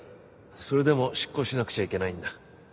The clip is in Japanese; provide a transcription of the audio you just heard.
それでも執行しなくちゃいけないんだ。